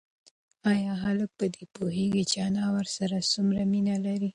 ایا هلک په دې پوهېږي چې انا ورسره څومره مینه لري؟